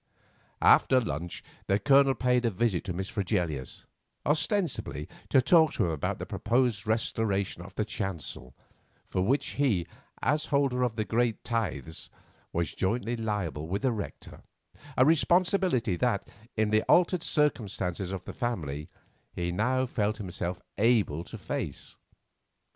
After luncheon the Colonel paid a visit to Mr. Fregelius, ostensibly to talk to him about the proposed restoration of the chancel, for which he, as holder of the great tithes, was jointly liable with the rector, a responsibility that, in the altered circumstances of the family, he now felt himself able to face.